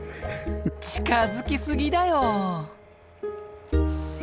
近づき過ぎだよ！